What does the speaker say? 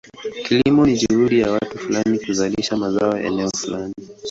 Kilimo ni juhudi za watu fulani kuzalisha mazao eneo fulani.